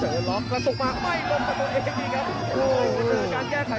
เจอล็อคแล้วตกมาไม้ลงมาตัวเองดีครับโอ้ไว้